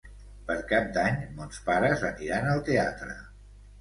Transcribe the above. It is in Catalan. Per Cap d'Any mons pares aniran al teatre.